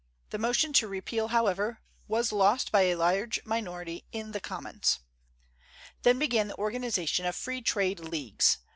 The motion to repeal, however, was lost by a large majority in the Commons. Then began the organization of Free Trade Leagues.